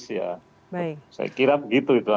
saya kira begitu antara lain